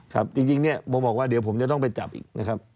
ครับจริงเนี่ยผมบอกว่าเดี๋ยวผมจะต้องไปจับอีกนะครับ